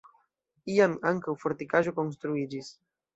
Iam ankaŭ fortikaĵo konstruiĝis.